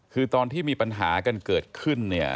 คือตอนที่มีปัญหากันเกิดขึ้นเนี่ย